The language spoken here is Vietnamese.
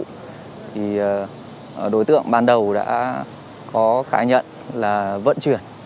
thì đối tượng ban đầu đã có khai nhận là vận chuyển